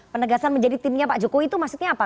penegasan menjadi timnya pak jokowi itu maksudnya apa